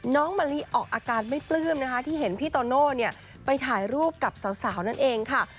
มะลิออกอาการไม่ปลื้มนะคะที่เห็นพี่โตโน่ไปถ่ายรูปกับสาวนั่นเองค่ะ